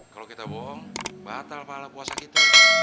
kalau kita bohong batal pahala puasa kita